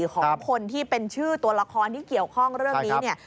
ของคนที่เป็นชื่อตัวละครที่เกี่ยวข้องเรื่องนี้เนี่ย